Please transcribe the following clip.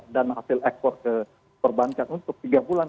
dan hasil ekspor ke perbankan untuk tiga bulan